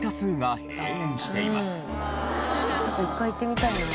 ちょっと１回行ってみたいな。